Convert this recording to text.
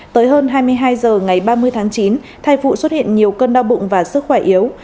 tới hơn hai mươi hai h ngày ba mươi tháng chín thai phụ xuất hiện nhiều cơn đau bụng và sức khỏe yếu